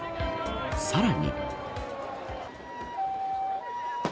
さらに。